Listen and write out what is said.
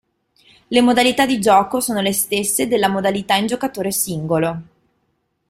Le modalità di gioco sono le stesse della modalità in giocatore singolo.